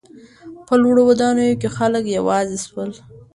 په لوړو ودانیو کې خلک یوازې سول.